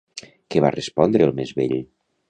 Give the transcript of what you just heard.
Què va respondre el més vell?